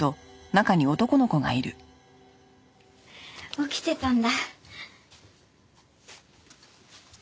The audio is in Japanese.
起きてたんだ。